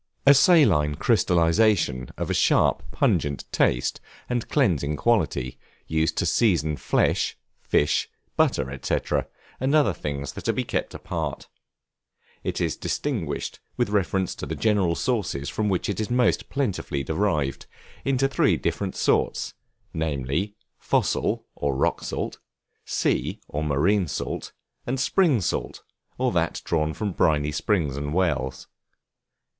A saline crystallization of a sharp, pungent taste, and cleansing quality, used to season flesh, fish, butter, &c., and other things that are to be kept. It is distinguished, with reference to the general sources from which it is most plentifully derived, into three different sorts, namely, fossil, or rock salt; sea, or marine salt; and spring salt, or that drawn from briny springs and wells.